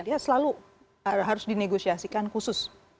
dia selalu harus di negosiasikan khusus